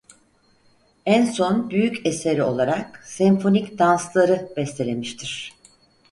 En son büyük eseri olarak "Senfonik Danslar"ı bestelemiştir.